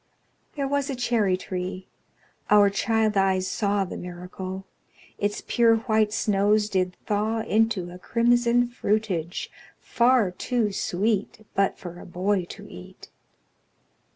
There was a cherry tree our child eyes saw The miracle: Its pure white snows did thaw Into a crimson fruitage, far too sweet But for a boy to eat.